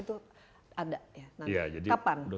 untuk apa itu ada